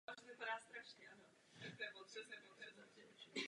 Z archeologického hlediska lze dobu vzniku kráteru zařadit do éry paleolitu.